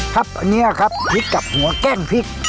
ครับอันนี้ครับพริกกับหัวแกล้งพริก